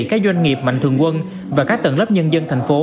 các doanh nghiệp mạnh thường quân và các tầng lớp nhân dân thành phố